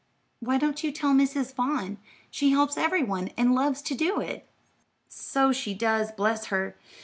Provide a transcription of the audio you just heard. "Why don't you tell Mrs. Vaughn? She helps every one, and loves to do it." "So she does, bless her!